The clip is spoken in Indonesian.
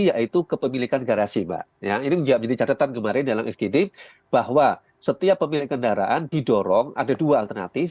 yaitu kepemilikan garasi mbak ini menjadi catatan kemarin dalam fgd bahwa setiap pemilik kendaraan didorong ada dua alternatif